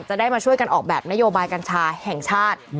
จะได้มาช่วยกันออกแบบนโยบายกัญชาแห่งชาติ